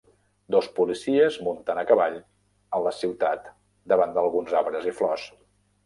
Dos policies munten a cavall a la ciutat davant d'alguns arbres i flors.